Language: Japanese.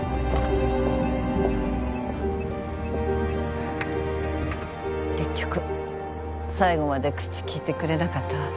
はぁ結局最後まで口きいてくれなかったわ。